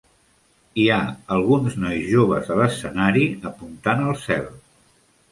Hi ha alguns nois joves a l'escenari apuntant al cel.